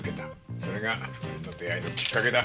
それが２人の出会いのきっかけだ。